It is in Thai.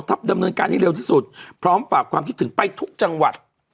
ดำเนินการให้เร็วที่สุดพร้อมฝากความคิดถึงไปทุกจังหวัด